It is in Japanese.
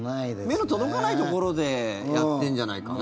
目の届かないところでやってるんじゃないかな。